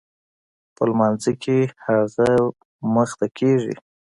په لمانځه کښې هغه مخته کېږي.